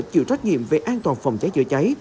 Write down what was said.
có sự trách nhiệm về an toàn phòng cháy chữa cháy